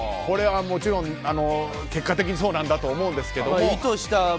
もちろん結果的にそうなんだと思うんですけど。